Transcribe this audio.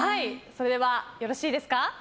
それではよろしいですか。